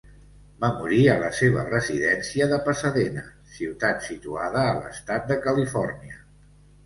Va morir a la seva residència de Pasadena, ciutat situada a l'estat de Califòrnia.